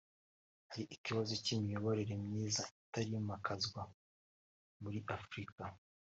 hari ikibazo cy’imiyoborere myiza itarimakwazwa muri Afurika